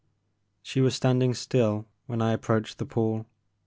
SHE was standing still when I approached the pool.